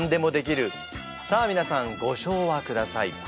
さあ皆さんご唱和ください。